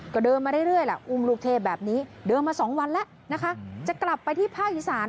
ก็เดินมาเรื่อยแหละอุ้มลูกเทพแบบนี้เดินมา๒วันแล้วนะคะจะกลับไปที่ภาคอีสาน